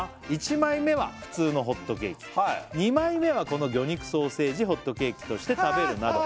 「１枚目は普通のホットケーキ」「２枚目はこの魚肉ソーセージホットケーキとして食べるなど」